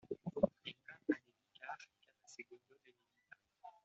te iba a dedicar cada segundo de mi vida.